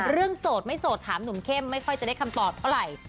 โสดไม่โสดถามหนุ่มเข้มไม่ค่อยจะได้คำตอบเท่าไหร่